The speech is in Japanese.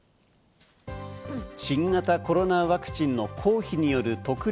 新型コロナワクチンの公費による特例